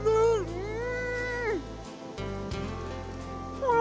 うん！